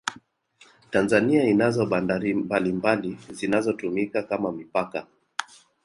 Tanzania inazo bandari mbalimbali zinazotumika kama mipaka